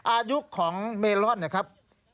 อายุของเมลอนนะครับ